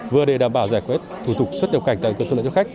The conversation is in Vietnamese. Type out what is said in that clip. vừa để đảm bảo giải quyết thủ tục xuất điều cảnh tạo điều kiện thuận lợi cho khách